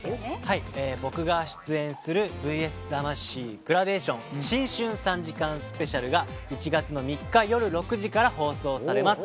僕が出演する『ＶＳ魂グラデーション新春３時間スペシャル』が１月の３日夜６時から放送されます。